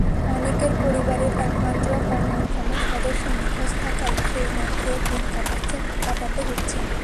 অনেকের পরিবারের একমাত্র কর্মক্ষম সদস্য নিখোঁজ থাকায় খেয়ে না-খেয়ে দিন কাটাতে হচ্ছে।